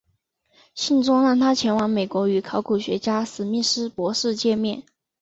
信中让他前往美国与考古学家史密斯博士见面。